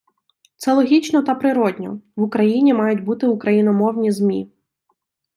Це логічно та природно — в Україні мають бути україномовні ЗМІ.